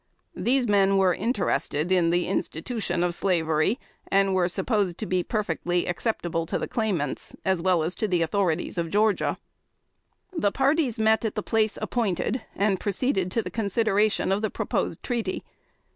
These men were interested in the institution of Slavery, and were supposed to be perfectly acceptable to the claimants, as well as to the authorities of Georgia. The parties met at the place appointed, and proceeded to the consideration of the proposed treaty.